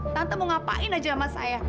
tante mau ngapain aja sama saya